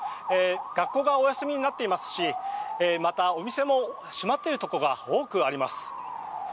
学校がお休みになっていますしまた、お店も閉まっているところが多くあります。